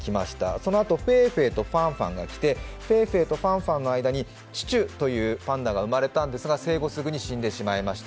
そのあとフェイフェイとホアンホアンが来てフェイフェイとホアンホアンの間にチチュというパンダが生まれたんですが、生後すぐに死んでしまいました。